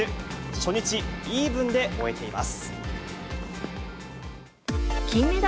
初日、イーブンで終えています。